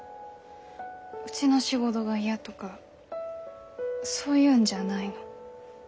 うちの仕事が嫌とかそういうんじゃないの。